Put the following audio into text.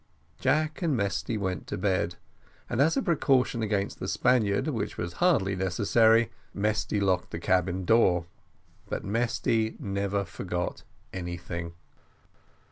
Jack and Mesty went to bed, and as a precaution against the Spaniard, which was hardly necessary, Mesty locked the cabin door but Mesty never forgot anything.